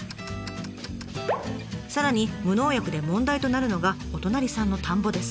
さらに無農薬で問題となるのがお隣さんの田んぼです。